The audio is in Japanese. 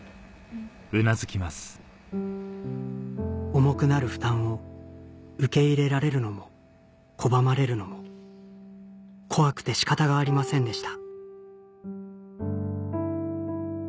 重くなる負担を受け入れられるのも拒まれるのも怖くて仕方がありませんでした